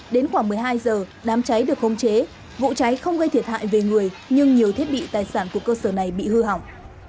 đến khoảng một mươi hai h đám cháy được khống chế vụ cháy không gây thiệt hại về người nhưng nhiều thiết bị tài sản của cơ sở này bị hư hỏng